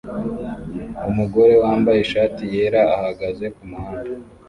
Umugore wambaye ishati yera ahagaze kumuhanda